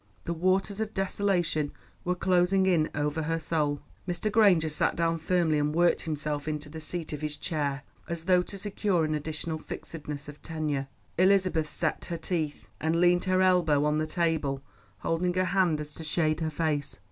The waters of desolation were closing in over her soul. Mr. Granger sat down firmly and worked himself into the seat of his chair, as though to secure an additional fixedness of tenure. Elizabeth set her teeth, and leaned her elbow on the table, holding her hand so as to shade her face.